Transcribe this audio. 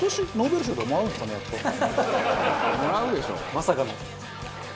まさかの。